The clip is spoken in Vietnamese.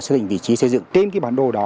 xác định vị trí xây dựng trên cái bản đồ đó